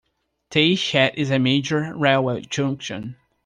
Tayshet is a major railway junction.